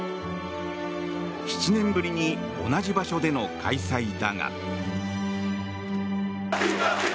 ７年ぶりに同じ場所での開催だが。